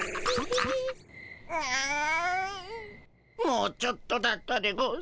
もうちょっとだったでゴンス。